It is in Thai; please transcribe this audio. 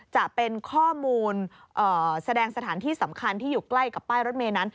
จะเป็นข้อมูลแสดงสถานที่สำคัญที่อยู่ใกล้กับป้ายรถเมย์นั้น